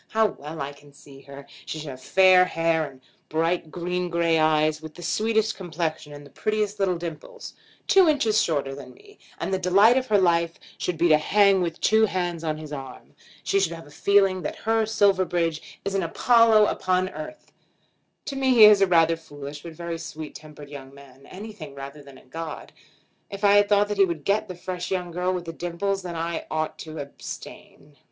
How well I can see her! She should have fair hair, and bright green gray eyes, with the sweetest complexion, and the prettiest little dimples; two inches shorter than me, and the delight of her life should be to hang with two hands on his arm. She should have a feeling that her Silverbridge is an Apollo upon earth. To me he is a rather foolish, but very, very sweet tempered young man; anything rather than a god. If I thought that he would get the fresh young girl with the dimples then I ought to abstain."